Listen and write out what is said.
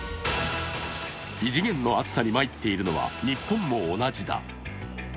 異次元の暑さにまいっているのは日本も同じだ。